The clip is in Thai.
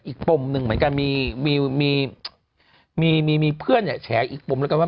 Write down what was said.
ปุ่มหนึ่งเหมือนกันมีเพื่อนแฉอีกปุ่มแล้วกันว่า